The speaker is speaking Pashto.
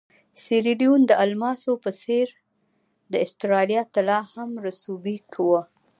د سیریلیون د الماسو په څېر د اسټرالیا طلا هم رسوبي وه.